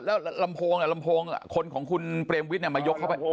แล้วลำโพงลำโพงคนของคุณเปรมวิทย์มายกเข้าไป